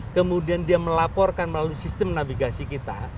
kemudian dia melaporkan melalui sistem navigasi kita